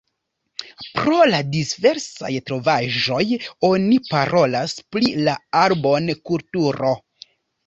Pro la diversaj trovaĵoj oni parolas pri la Arbon-kulturo.